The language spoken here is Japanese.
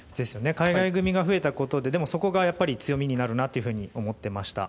海外組が増えたことででもそこがやっぱり強みになるなと思ってました。